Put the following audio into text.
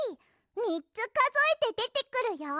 みっつかぞえてでてくるよ！